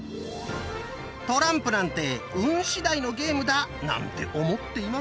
トランプなんて運しだいのゲームだなんて思っていませんか？